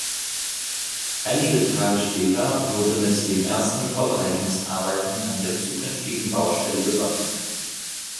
Einige Tage später wurde mit den ersten Vorbereitungsarbeiten an der zukünftigen Baustelle begonnen.